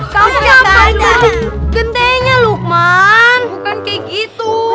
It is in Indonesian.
kamu siapa itu gentenya lukman bukan kayak gitu